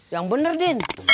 yang bener din